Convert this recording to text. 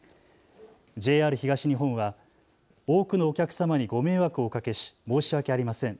ＪＲ東日本は多くのお客様にご迷惑をおかけし申し訳ありません。